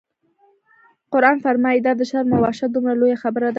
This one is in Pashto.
قرآن فرمایي: دا د شرم او وحشت دومره لویه خبره ده.